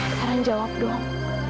sekarang jawab dong